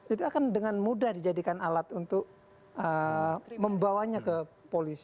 itu akan dengan mudah dijadikan alat untuk membawanya ke polisi